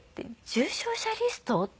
重症者リスト？